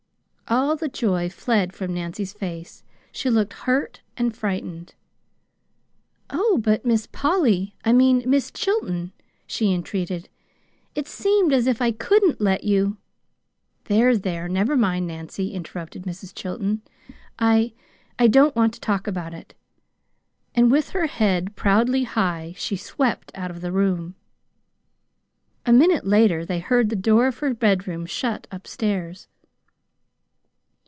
All the joy fled from, Nancy's face. She looked hurt and frightened. "Oh, but Miss Polly I mean, Mis' Chilton," she entreated; "it seemed as if I couldn't let you " "There, there, never mind, Nancy," interrupted Mrs. Chilton. "I I don't want to talk about it." And, with her head proudly high, she swept out of the room. A minute later they heard the door of her bedroom shut up stairs.